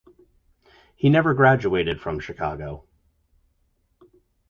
He never graduated from Chicago.